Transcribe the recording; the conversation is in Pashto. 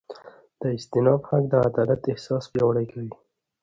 د استیناف حق د عدالت احساس پیاوړی کوي.